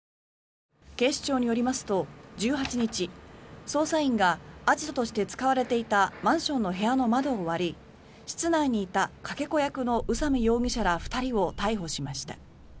警視庁によりますと１８日捜査員がアジトとして使われていたマンションの部屋の窓を割り室内にいたかけ子役の宇佐美容疑者ら２人を逮捕しました。